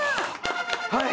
はい。